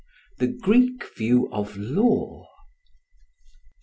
The Greek View of Law.